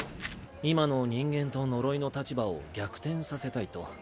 今の人間と呪いの立場を逆転させたいと。